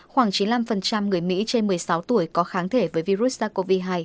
khoảng chín mươi năm người mỹ trên một mươi sáu tuổi có kháng thể với virus sars cov hai